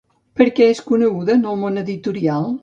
Per què és coneguda en el món editorial?